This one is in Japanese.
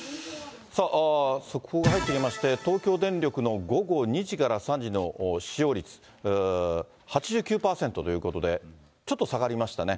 さあ、速報が入ってきまして、東京電力の午後２時から３時の使用率８９％ということで、ちょっと下がりましたね。